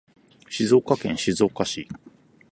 静岡県静岡市